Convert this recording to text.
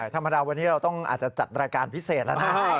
ธรรมดาวันนี้เราต้องอาจจะจัดรายการพิเศษแล้วนะ